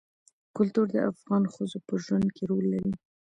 کلتور د افغان ښځو په ژوند کې رول لري.